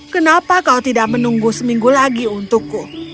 kenapa kau tidak menunggu seminggu lagi untukku